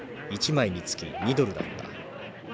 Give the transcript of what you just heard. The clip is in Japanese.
１枚につき２ドルだった。